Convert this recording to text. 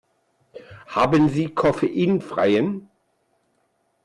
Haben Sie koffeinfreien?